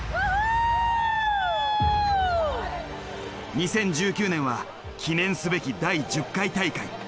２０１９年は記念すべき第１０回大会。